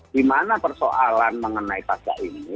dimana persoalan mengenai pajak ini